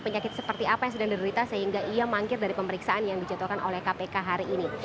penyakit seperti apa yang sedang diderita sehingga ia mangkir dari pemeriksaan yang dijatuhkan oleh kpk hari ini